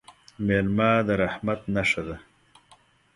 مېلمه د رحمت نښه ده.